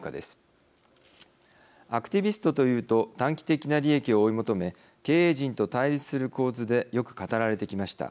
アクティビストというと短期的な利益を追い求め経営陣と対立する構図でよく語られてきました。